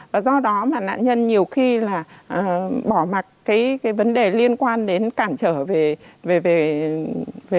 và do đó mà nạn nhân nhiều khi là bỏ mặt cái vấn đề liên quan đến cản trở về